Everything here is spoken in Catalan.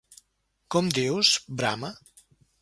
Com dius?! —brama.